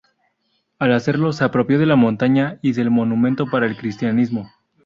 Al hacerlo, "se apropió de la montaña y del monumento para el Cristianismo".